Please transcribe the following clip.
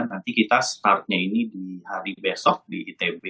nanti kita startnya ini di hari besok di itb